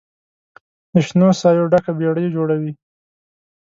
د شنو سایو ډکه بیړۍ جوړوي